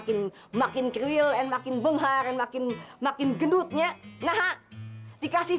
kok gue sih yang pindah